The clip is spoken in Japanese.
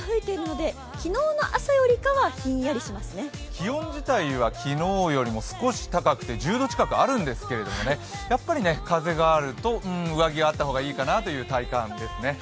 気温自体は昨日よりも少し高くて１０度近くあるんですが、やっぱり風があると上着があった方がいいかなという体感ですね。